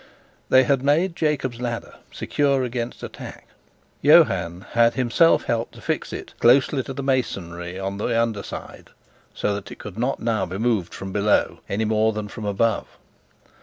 They had made "Jacob's Ladder" secure against attack. Johann had himself helped to fix it closely to the masonry on the under side, so that it could not now be moved from below any more than from above.